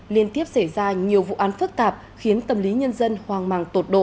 liên tiếp xảy ra nhiều vụ án phức tạp khiến tâm lý nhân dân hoàng mạng tột độ